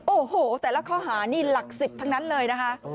โอ้โหแต่ละข้อหานี่หลัก๑๐ทั้งนั้นเลยนะคะ